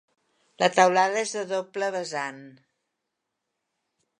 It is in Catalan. La teulada és de doble vessant.